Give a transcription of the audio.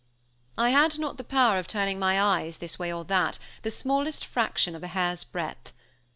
I had not the power of turning my eyes this way or that, the smallest fraction of a hair's breadth.